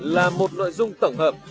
là một nội dung tổng hợp